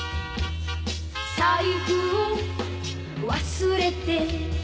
「財布を忘れて」